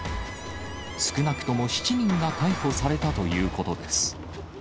少なくとも７人が逮捕されたということです。